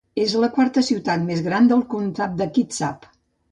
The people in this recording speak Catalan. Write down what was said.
És la quarta ciutat més gran del comtat de Kitsap.